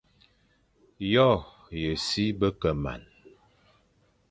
Yô ye si be ke man,